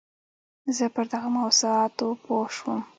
زه پر دغو موضوعاتو پوه شوم.